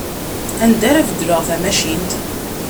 Anda ara beddleɣ tamacint?